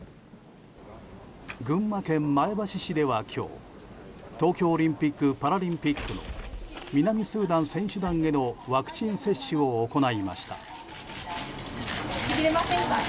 群馬県前橋市では今日東京オリンピック・パラリンピックの南スーダン選手団へのワクチン接種を行いました。